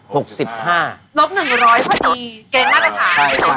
๑๐๐พอดีเกณฑ์มาตรฐานใช่ไหมคะ